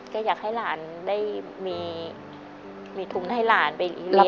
ก็อยากให้หลานได้มีทุนให้หลานไป